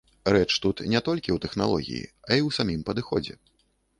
Рэч тут не толькі ў тэхналогіі, а і ў самім падыходзе.